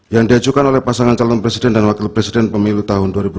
yang diajukan oleh pasangan calon presiden dan wakil presiden pemilu tahun dua ribu dua puluh